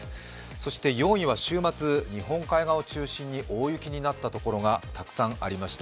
そして４位は週末、日本海側を中心に大雪になったところがたくさんありました。